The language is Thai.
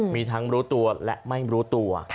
มีทั้งรู้ตัวและไม่รู้ตัว